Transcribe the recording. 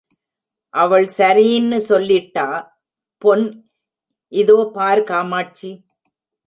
அவள் சரீன்னு சொல்லிட்டா...... பொன் இதோ பார் காமாட்சி!